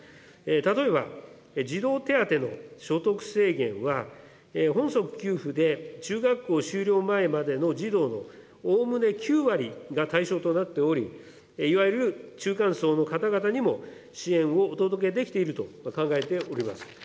例えば、児童手当の所得制限は本則給付で中学校修了前までの児童のおおむね９割が対象となっており、いわゆる中間層の方々にも支援をお届けできていると考えております。